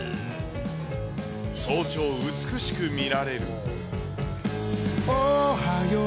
早朝、美しく見られる。